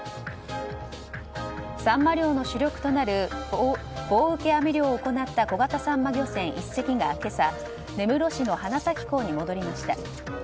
サンマ漁の主力となる棒受け網漁を行った小型サンマ漁船３隻が今朝根室市の花咲港に戻りました。